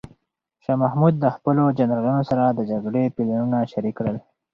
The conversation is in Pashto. شاه محمود د خپلو جنرالانو سره د جګړې پلانونه شریک کړل.